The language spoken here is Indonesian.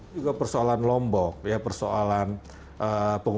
juga persoalan lombok ya persoalan pembangunan